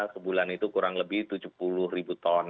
sebulan itu kurang lebih tujuh puluh ribu ton